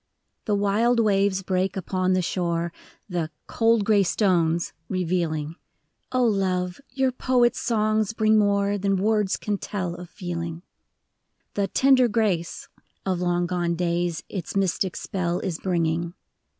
The wild waves break upon the shore, The " cold gray stones " revealing : love ! your poet's songs bring more Than words can tell of feeling. The " tender grace " of long gone days Its mystic spell is bringing.